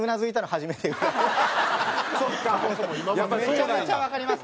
めちゃめちゃわかります。